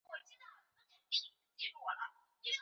我闺女没说中秋会不会回家吃饭，她工作好像很忙呢。